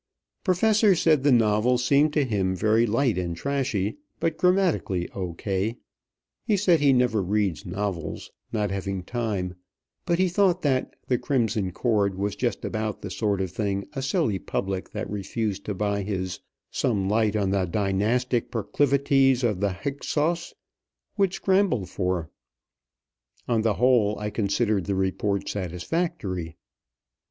Professor said the novel seemed to him very light and trashy, but grammatically O. K. He said he never read novels, not having time; but he thought that "The Crimson Cord" was just about the sort of thing a silly public that refused to buy his "Some Light on the Dynastic Proclivities of the Hyksos" would scramble for. On the whole, I considered the report satisfactory.